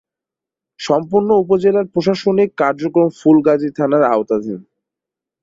সম্পূর্ণ উপজেলার প্রশাসনিক কার্যক্রম ফুলগাজী থানার আওতাধীন।